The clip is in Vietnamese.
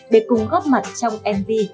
để cùng góp mặt trong mv